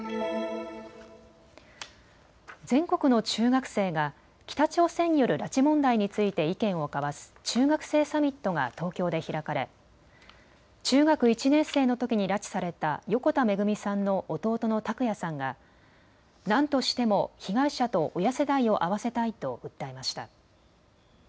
全国の中学生が北朝鮮による拉致問題について意見を交わす中学生サミットが東京で開かれ中学１年生のときに拉致された横田めぐみさんの弟の拓也さんが何としても被害者と親世代を会わせたいと訴えました。